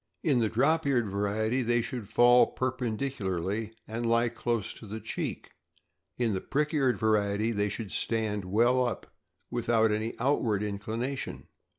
In the drop eared variety they should fall perpendicularly and lie close to the cheek, and in the prick eared variety they should stand well up, without any outward inclination.